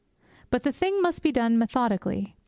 But the thing must be done methodically.